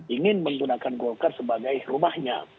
ingin menggunakan golkar sebagai rumahnya